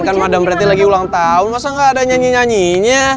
kan madam berarti lagi ulang tahun masa gak ada nyanyi nyanyinya